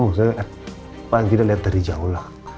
maksudnya apa yang kita liat dari jauh lah